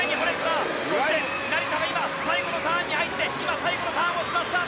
そして、成田が今最後のターンに入って今、最後のターンをしました。